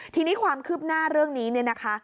ทีนี้ความคืบหน้าเรื่องนี้เนี่ยนะคะ